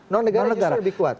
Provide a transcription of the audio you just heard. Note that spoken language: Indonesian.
non negara justru lebih kuat